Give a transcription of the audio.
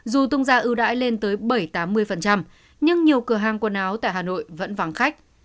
dù tung ra ưu đãi lên tới bảy trăm tám mươi nhưng nhiều cửa hàng quần áo tại hà nội vẫn vắng khách